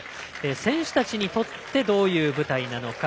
選手たちにとってどういう舞台なのか。